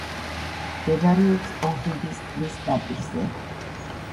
მდებარეობს ოჰრიდის ტბის ნაპირზე.